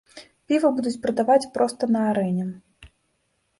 Піва будуць прадаваць проста на арэне.